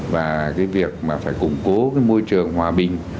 và việc phải củng cố môi trường hòa bình